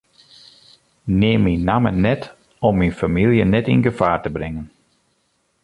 Neam myn namme net om myn famylje net yn gefaar te bringen.